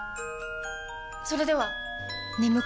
それでは！